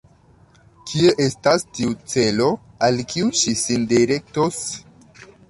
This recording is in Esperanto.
Kie estas tiu celo, al kiu ŝi sin direktos?